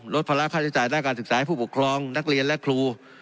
ภาระค่าใช้จ่ายด้านการศึกษาให้ผู้ปกครองนักเรียนและครู